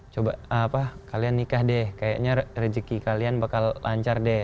coba apa kalian nikah deh kayaknya rezeki kalian bakal lancar deh